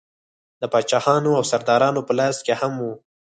د پاچاهانو او سردارانو په لاس کې هم وه.